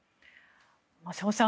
瀬尾さん